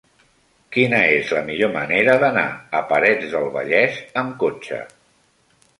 Quina és la millor manera d'anar a Parets del Vallès amb cotxe?